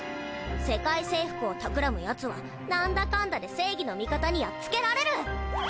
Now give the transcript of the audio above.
「世界征服をたくらむヤツはなんだかんだで正義の味方にやっつけられる！」